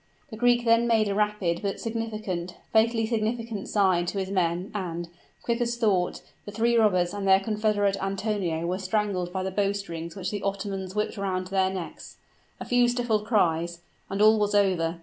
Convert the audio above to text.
The Greek then made a rapid, but significant fatally significant sign to his men; and quick as thought, the three robbers and their confederate Antonio were strangled by the bowstrings which the Ottomans whipped around their necks. A few stifled cries and all was over!